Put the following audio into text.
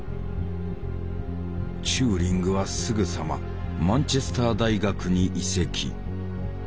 チューリングはすぐさまマンチェスター大学に移籍。